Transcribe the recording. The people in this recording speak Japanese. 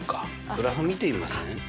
グラフ見てみません？